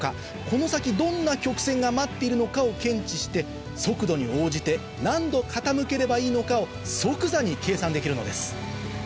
この先どんな曲線が待っているのかを検知して速度に応じて何度傾ければいいのかを即座に計算できるのです